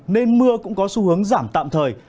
nên mưa cũng có xu hướng giảm tạm thời